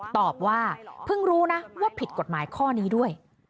ตอบว่าเพิ่งรู้นะว่าผิดกฎหมายข้อนี้ด้วย